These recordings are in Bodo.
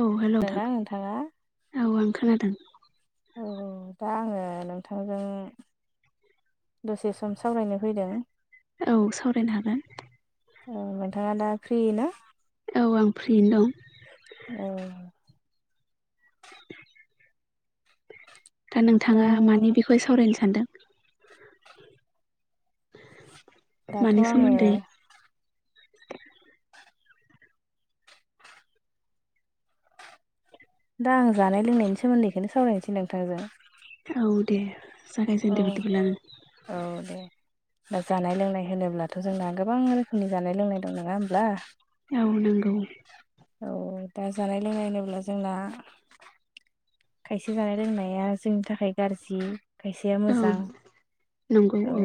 औ हेल' खोनादोंना नोंथाङा नोंथां औ आं खोनादों। औ दा आङो नोंथांजों दसे सम सावरायनो फैदों औ सावरायनो हागोन औ नोंथाङा दा फ्रि ना? औ आं फ्रियैनो दं औ दा नोंथाङा मानि बेखौ हिय सावरायनो सानदों? दाथ' मानि आङो सोमोन्दै? दा आं जानाय लोंनायनि सोमोन्दैखौनो सावरायनोसै नोंथांजों औ दे औ जागायजेनदो बिदिब्ला औ दे दा जानाय लोंनाय होनोब्ला दाथ' जोंना गोबां रोखोमनि जानाय लोंनाय दं नङा होमब्ला? औ नंगौ औ दा जानाय लोंनाय होनोब्ला जोंना खायसे जानाय लोंनाया जोंनि थाखाय गाज्रि खायसेया औ मोजां नंगौ औ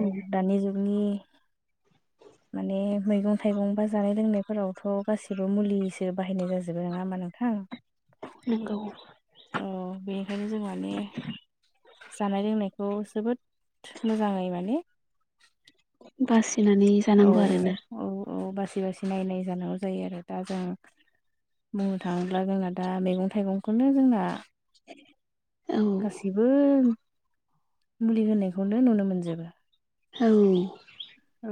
नि [inaudible] माने मैगं थाइगं बा जानाय लोंनायफोरावथ' गाैबो मुलिसो बाहायनाय जाजोबो नङा होमा नोंथां नोंगौ औ बेनिखायनो जों माने जानाय लोंनायखौ जोबोद मोजाङै माने बासिनानै औ जानांगौ आरोना औ औ बासि बासि नायनाय जानांगौ जायो आरो दा जों बुंनो थाङोब्ला जोंना दा मैगं थाइगंखौनो जोंना औ गासिबो मुलि होनायखौनो नुनो मोनजोबो औ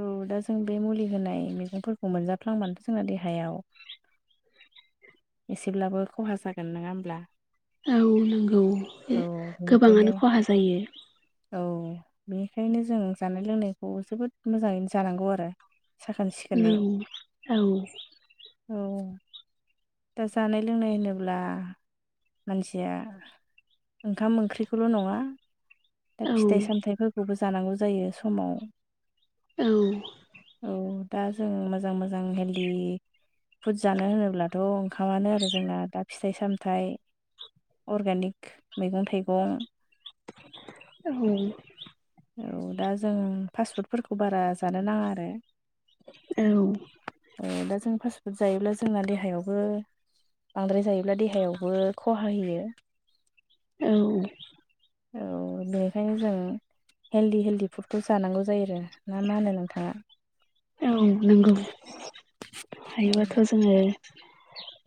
औ दा जों बे मुलि होनाय मैगंफोरखौ मोनजाफ्लाङबानोथ' जोंना देहायाव [inaudible] एसेब्लाबो खहा जागोन नङा होमबा औ नंगौ बेनिखायनो गोबाङानो खहा जायो औ बेनिखायनो जों जानाय लोंनायखौ जोबोद मोजाङैनो जानांगौ आरो साखोन उम सिखोनै औ। औ। दा जानाय लोंनाय होनोब्ला मानसिया। ओंखाम ओंख्रिखौल' नङा। दा औ फिथाइ सामथायाइफोरखौबो जानांगौ जायो समाव। औ। औ दा जों मोजां मोजां हेल्दि फुड जानो होनोब्ला। दाथ' ओंखामानो आरो जोंना दा फिथाइ सामथायाइ। अर्गेानिक मैगं थाइगं। औ। औ दा जों फास्टफुडफोरखौ बारा जानो नाङा आरो। औ। दा जों फास्ट फुड जायोब्ला जोंना देहायावबो। बांद्राय जायोब्ला देहायावबो खहा होयो। औ। औ बेनिखायनो जों। हेलदि हेलदि फुडखौ जानांगौ जायो आरो ना मा होनो नोंथाङा। औ नंगौ हायोबाथ' जोङो।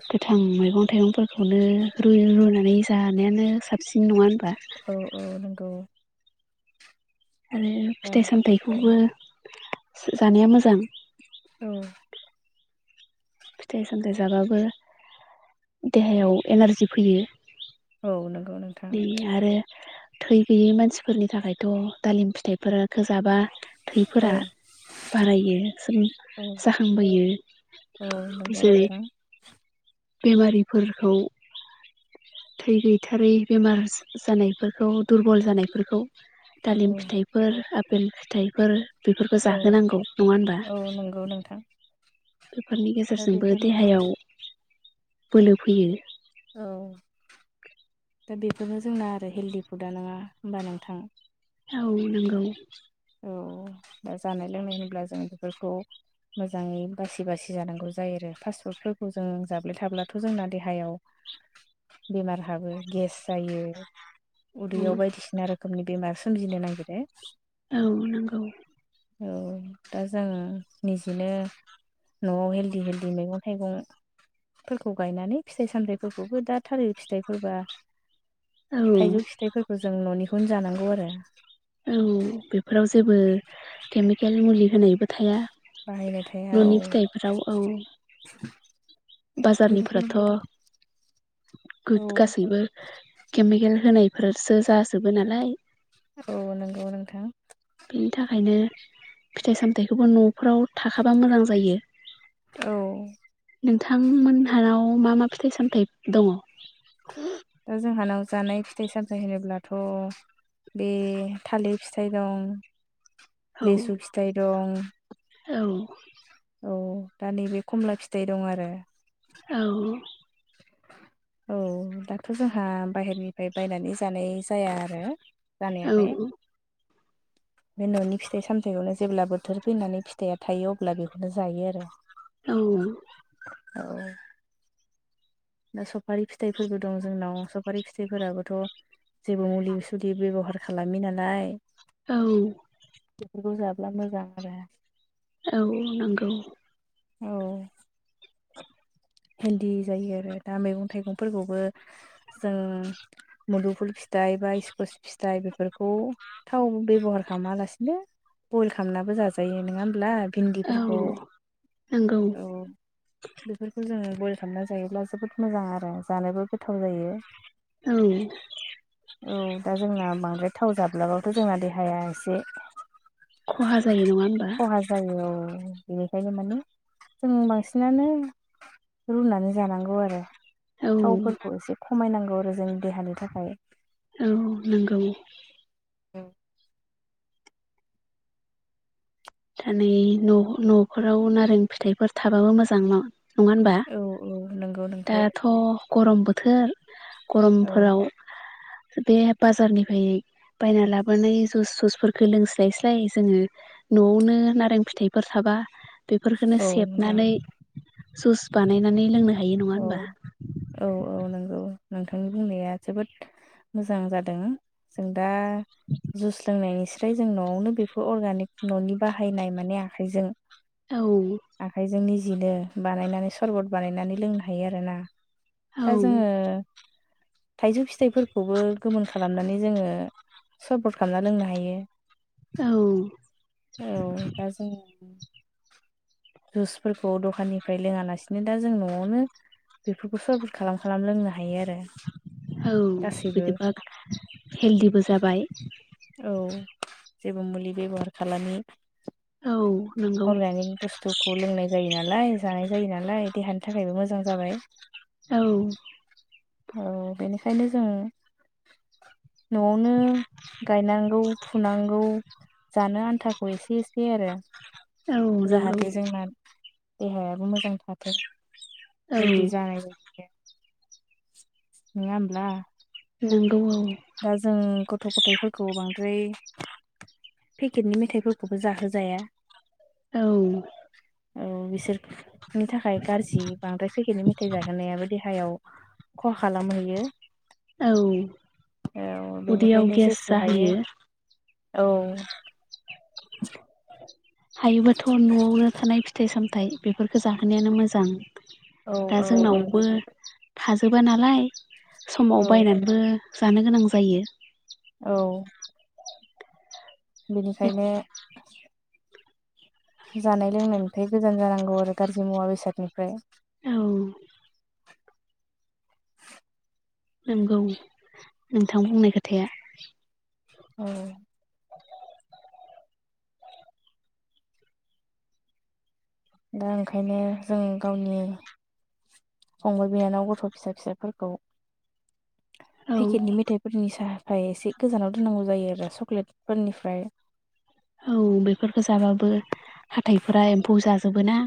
गोथां मैगं थाइगंफोरखौनो रुयै रुनानै जानायानो साबसिन नङा ओब। औ औ नंगौ। आरो बा फिथाइ सामथायाइखौबो जानाया मोजां। औ। फिथाइ सामथायाइ जाबाबो देहायाव एनारजि फैयो। औ नों। बेयो आरो थै गैयै मानसिफोरनि थाखायथ' दालिम फिथाइफोरा थोजाबा। औ थैफोरा। बारायो सोगोम औ जाखांबोयो औ नंगौ बिसोरै। नोंथां बेमारिफोरखौ। थै गैथारै बेमार जानायफोरखौ दुरबल जानायफोरखौ। दालिम औ फिथाइफोर आफपेल फिथाइफोर। बेफोरखौ औ जाहोनांगौ नङा होनबा। औ नंगौ नोंथां बेफोरनि दा गेजेरजोंबो बेफोरनो आरो देहायाव बोलो फैयो। औ। दा बेफोरबो जोंना आरो हेल्दि फुदा नङा होमबा नोंथां। औ नंगौ। औ दा जानाय लोंनाय होन्ला जों बेफोरखौ। मोजाङै बासि बासि जानांगौ जायो आरो फास्ट फुडफोरखौ जों जाब्लाय थाब्लाथ' जोंना देहायाव। बेमार हाबो गेस जायो। औ उदैयाव बायदिसिना रोखोमनि बेमार सोमजिनो नागिरो। औ नंगौ। औ दा जोङो निजिनो। न'आव हेल्दि हेल्दि मैगं थाइगं। फोरखौ गायनानै फिथाइ साम्राइफोरखौबो दा थालिर फिथाइफोरबा। औ थाइजौ फिथाइफोरखौ जों न'निखौनो जानांगौ आरो। औ बेफोराव जेबो केमिकेल मुलि होनायबो थाया। बाहायनाय थाया औ न'नि फिथाइफोराव औ बाजारनिफोराथ' बेनिखायनो औ गुद गासैबो केमिकेल होनायफोरसो जाजोबो नालाय औ नंगौ नोंथां बिनि थाखायनो फिथाइ सामथायाइखौबो न'फोराव थाखाबा मोजां जायो औ। नोंथांमोनहानाव मा मा फिथाइ सामथाइ दङ? दा जोंहानाव जानाय फिथाइ सामथायाइ होनोब्लाथ' बे थालिर फिथाइ दं, औ लेसु फिथाइ दं, औ। औ दा नैबे खमला फिथाइ दं आरो। औ। औ दाथ' जोंहा बाहेरनिफ्राय बायनानै जानाय जाया आरो। जानायालाय। औ [inaudible] बे न'नि फिथाइ सामथायाइखौनो जेब्ला बोथोर फैनानै फिथाइया थायो अब्ला बेखौनो जायो आरो। औ। औ। दा सफारि फिथाइफोरबो दं जोंनाव सफारि फिथाइफोराबोथ' जेबो मुलि सुलि बेब'हार खालामि नालाय। औ। बेफोरखौ जाब्ला मोजां आरो। औ नंगौ। औ। [inaudible] भिन्दि जायो आरो दा मैगं थाइगंफोरखौबो जों मुदुफुल फि दाइ बा स्कस फिथाइ बेफोरखौ थाव बेब'हार खालामालासिनो बयल खालामनाबो जाजायो नोङा होमब्ला भिन्दिफोरखौ औ नंगौ औ बेफोर जों बयल खालामना जायोब्ला जोबोद मोजां आरो जानोबो गोथाव जायो। औ औ दा जोंना बांद्राय थाव जाब्लाबाब दा जोंना देहाया एसे खहा जायो नङा होमबा खहा जायो औ। बेनिखायनो माने जों बांसिनानो रुनानै जानांगौ आरो। औ थावफोरखौ एसे खमायनांगौ आरो जों देहानि थाखाय। औ नोंगौ। औ। थानै न' न'फोराव नारें फिथाइफोर थाबाबो मोजां न। नङा होनबा औ औ नंगौ नोंथां दाथ' गरम बोथोर। औ गरमफोराव बे बाजारनिफाय बायना लाबोनाय जुस सुसफोरफोरखौ लोंस्लाय स्लाय जोङो न'आवनो नारें फिथाइफोर थाबा बेफोरखोनो औ नोंथां सेबनानै जुस बानायनानै लोंनो हायो नङा औ होनबा औ औ नोंगौ। नोंथांनि बुंनाया जोबोद मोजां जादों जों दा जुस लोंनायनिस्राय जों न'आवनो बेफोर अर्गानिक न'नि बाहायनाय माने आखाइजों औ। बिदिनो बानायनानै सरबत बानायनानै लोंनो हायो आरो ना औ दा जोङो थाइजौ फिथाइफोरखौबो गोमोन खालामनानै जोङो सर्बट खामना लोंनो हायो औ औ दा जों जुसफोरखौ दखाननिफ्राय लोङालासिनो दा जों न'आवनो बेफोरखौ सर्बट खालाम खालाम लोंना औ बिदिबा हेलदिबो जाबाय। औ जेबो मुलि बेबहार खालामि। औ नंगौ अर्गानिक बुस्थुखौ लोंनाय जायो ना लाय जानाय जायो नालाय देहानि थाखायबो मोजां जाबाय। औ। औ बेनिखायनो जों। न'आवनो गायनांगौ-फुनांगौ। जानो आन्थाखौ एसे-एसे आरो। औ नंगौ। जाहाथे जोंना देहायाबो मोजां थाथों औ हेलदि जानाय बायदि। नोङा होमब्ला? नोंगौ ओ। दा जों। गथ'-गथायाइफोरखौ बांद्राय पेकेटनि मेथाइफोरखौबो जाहोजाया। औ। औ बिसोरनि थाखाय गारजि बांद्राय फेखेरनि मेथाइ जाहोनायाबो देहायाव। खहा खालामहैयो। औ औ उदैयाव बेनिखायनो गेस जेसे हायो जाहोयो औ। हायोबाथ' न'आवनो थानाय फिथाइ-सामथायाइ बेफोरखो जाहोनायानो मोजां। औ दा औ जोंनावबो थाजोबा नालाय समाव औ बायनानैबो। जानो गोनां जायो। औ बेनिखायनो। जानाय-लोंनायनिफ्राय गोजान जानांगौ आरो गाज्रि मुवा-बेसादनिफ्राय। औ नंगौ नोंथां बुंनाय खोथाया। औ। दा ओंखायनो जों गावनि। फंबाइ, बिनानाव, गथ' फिसा-फिसाफोरखौ। औ पेकेटनि मेथाइफोरनि साह। ओमफ्राय एसे गोजानाव दोननांगौ जायो आरो चक्लेट फोरनिफ्राय। औ बेफोरखौ जाबाबो हाथाइफोरा एम्फौ जाजोबो ना।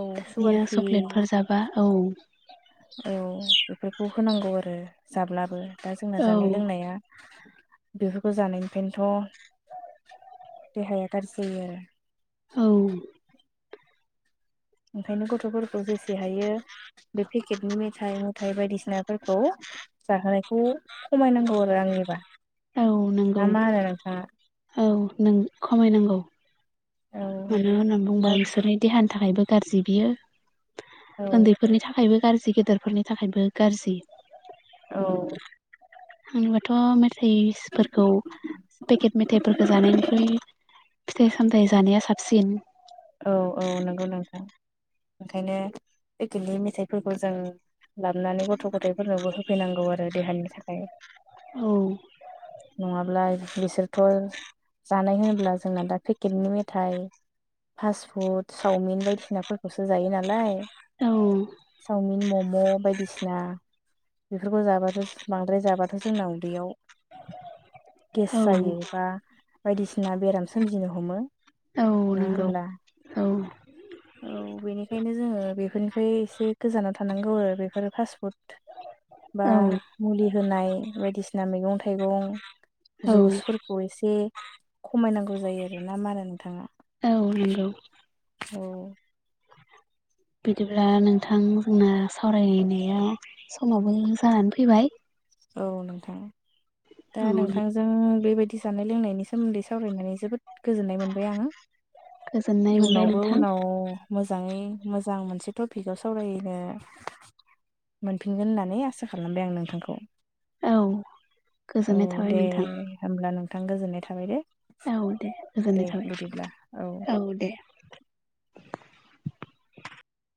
औ सुगार दानिया फ्रि चक्लेटफोर जाबा औ‌। औ बेफोरखौ होनांगौ आरो जाब्लाबो दा जोंना औ जानाय-लोंनाया। बेफोरखौ जानायनिफ्रायनोथ'। [inaudible] देहाया गारजि जायो आरो‌। औ। ओंखायनो गथ'फोरखौ जेसे हायो बे पेकेटनि मेथाइ-मुथाइ बायदिसिनाफोरखौ। जाहोनायखौ खमायनांगौ आरो आंनिबा। औ नंगौ ना मा होनो नोंथाङा औ नों खमायनांगौ। औ मानो होननानै बुंङोबा बिसोरनि देहानि थाखायबो गाज्रि बियो। औ उन्दैफोरनि थाखायबो गाज्रि गेदेरफोरनि थाखायबो गाज्रि। औ। होनबाथ' मेथाइसफोरखौ पेकेट मेथाइफोरखौ जानायनिख्रुइ। फिथाइ-सामथाइ जानाया साबसिन। औ-औ नंगौ नोंथां ओंखायनो पेकेटनि मेथाइफोरखौ जों। लाबोनानै गथ' गथायफोरनोबो होफैनांगौ आरो देहानि थाखाय। नङाब्लाय। बिसोरथ' जानाय होनोब्ला जोंना दा पेकेटनि मेथाइ। फास्ट फुड सावमिन बायदिसिनाफोरखौसो जायो नालाय औ चावमिन मम। मम' बायदिसिना बेफोरखौ जाबाथ' बांद्राय जाबाथ' जोंना उदैयाव। [unintelligible] गेस जायो औ बा बायदिसिना बेराम सोमजिनो हमो। औ नगौ। ना? [inaudible] बेनिखायनो जोङो बेफोरनिफ्राय एसे गोजानाव थानांगौ आरो बेफोरो फास्टफुड बा औ मुलि होनाय बायदिसिना मैगं थाइगं औ जुइसफोरखौ एसे खमायनांगौ जायो आर ना मा होनो नोंथाङा? नोंगौ। औ। बिदिब्ला नोंथां जोंना सावरायनायाव समावबो जानानै फैबाय। औ नोंथां दा औ नोंथांजों बेबायदि जानाय लोंनायनि सोमोन्दै सावरायनानै जोबोद गोजोननाय मोनबाय आङो। गोजोननाय मोनबाय इयनावबो नोंथां उनाव मोजाङै मोजां मोनसे टपिकाव सावरायनो मोनफिनगोन होननानै आसा खालामबाय आं नोंथांखौ। औ औ गोजोननाय थाबाय दे नोंथां हब्ला नोंथां गोजोननाय थाबाय दे। औ दे गोजोननाय दे थाबाय बिदिब्ला औ।